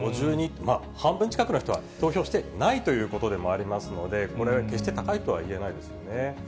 ５２、半分近くの人は投票してないということでもありますので、これは決して高いとは言えないですよね。